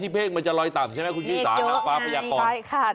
ที่เผกมันจะรอยต่ำใช่ไหมครับคุณพี่ศาทางฟ้าพยากร